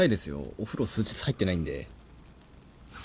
お風呂数日入ってないんで。